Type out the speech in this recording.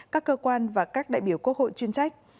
các cơ quan và các đại biểu quốc hội chuyên trách